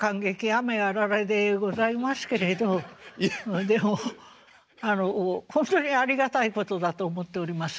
雨あられでございますけれどでもほんとにありがたいことだと思っております。